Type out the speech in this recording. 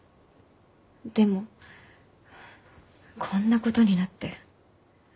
でもこんなことになって。